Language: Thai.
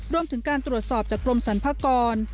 รวมถึงการตรวจสอบจากกรมสรรพากร